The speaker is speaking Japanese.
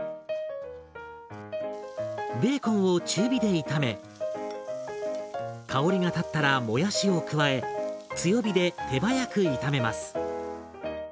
ベーコンを中火で炒め香りが立ったらもやしを加え強火で手早く妙めます。